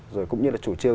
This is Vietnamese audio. rồi cũng như là chủ chiêu